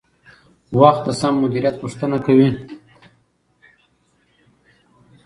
وخت د سم مدیریت غوښتنه کوي